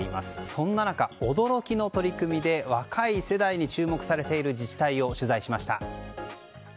そんな中、驚きの取り組みで若い世代に注目されている自治体を取材しました。